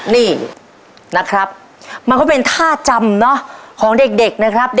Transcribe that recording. นี่นะครับมันก็เป็นท่าจำของเด็กนะครับ